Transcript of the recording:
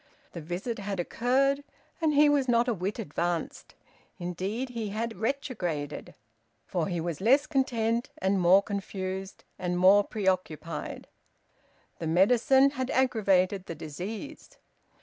The visit had occurred, and he was not a whit advanced; indeed he had retrograded, for he was less content and more confused, and more preoccupied. The medicine had aggravated the disease.